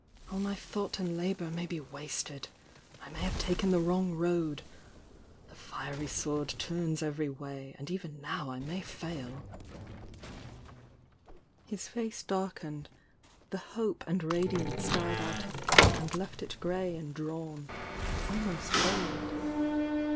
All my thought and labour may ^e wasted !— I may have taken the wrong road ! The hery sword turns every way, and even now I may His face darkened.— the hope and radiance died out of It and left it grey and drawn— almost old.